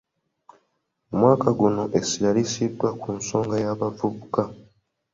Omwaka guno essira lissiddwa ku nsonga y’abavubuka.